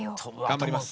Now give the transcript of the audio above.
頑張ります。